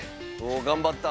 頑張った。